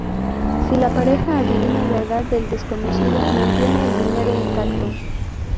Si la pareja adivina la edad del desconocido, mantiene el dinero intacto.